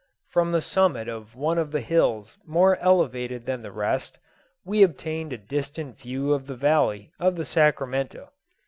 From the summit of one of the hills more elevated than the rest we obtained a distant view of the valley of the Sacramento.